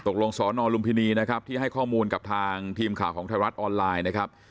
ตกลงสนลุมพินีที่ให้ข้อมูลกับทางทีมข่าวของไทยรัฐออนไลน์